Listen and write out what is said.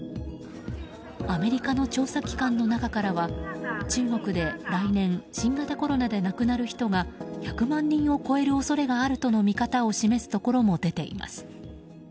アメリカの調査機関の中からは中国で、来年新型コロナで亡くなる人が１００万人を超える恐れがあるとの見方を示すところも出ています。